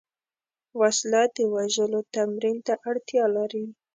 وسله د وژلو تمرین ته اړتیا لري